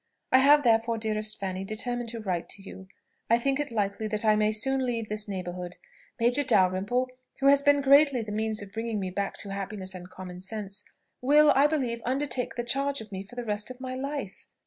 I have therefore, dearest Fanny, determined to write to you. I think it likely that I may soon leave this neighbourhood: Major Dalrymple, who has been greatly the means of bringing me back to happiness and common sense, will, I believe, undertake the charge of me for the rest of my life.